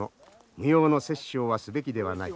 無用の殺生はすべきではない。